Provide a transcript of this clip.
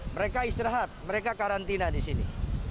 mereka istirahat mereka karantina di sini